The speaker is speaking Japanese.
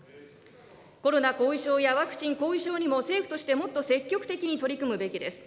コロナ後遺症やワクチン後遺症にも政府としてもっと積極的に取り組むべきです。